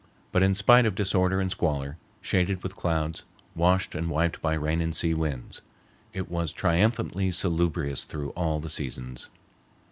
But in spite of disorder and squalor, shaded with clouds, washed and wiped by rain and sea winds, it was triumphantly salubrious through all the seasons.